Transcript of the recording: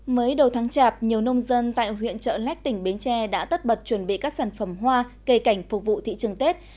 mới đầu tháng chạp nhiều nông dân tại huyện chợ lách tỉnh bến tre đã tất bật chuẩn bị các sản phẩm hoa cây cảnh phục vụ thị trường tết